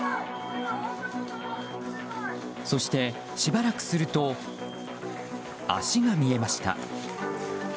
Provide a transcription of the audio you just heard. そして、しばらくすると足が見えました。